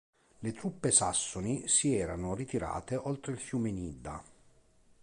Le truppe sassoni si erano ritirate oltre il fiume Nida.